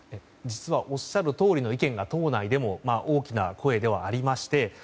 実は、おっしゃるとおりの意見が党内でも大きな声ではありまして。